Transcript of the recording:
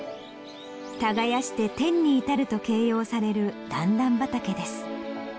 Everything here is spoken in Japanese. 「耕して天に至る」と形容される段々畑です。